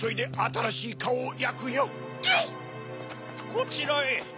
こちらへ！